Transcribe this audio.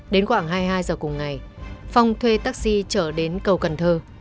đến khoảng hai mươi hai giờ cùng ngày phong thuê taxi trở đến cầu cần thơ